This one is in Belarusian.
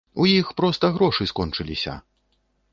У іх проста грошы скончыліся!